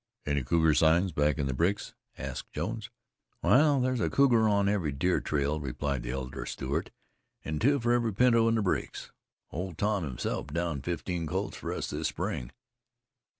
"Any cougar signs back in the breaks?" asked Jones. "Wal, there's a cougar on every deer trail," replied the elder Stewart, "An' two for every pinto in the breaks. Old Tom himself downed fifteen colts fer us this spring."